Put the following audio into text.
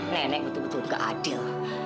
nenek betul betul gak adil